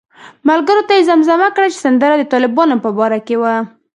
ملګرو ته یې زمزمه کړه چې سندره د طالبانو په باره کې وه.